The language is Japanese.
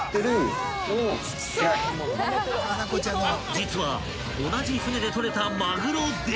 ［実は同じ船で取れたまぐろでも］